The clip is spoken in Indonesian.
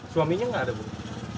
suaminya tidak ada